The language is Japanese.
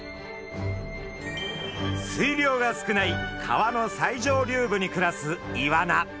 水量が少ない川の最上流部に暮らすイワナ。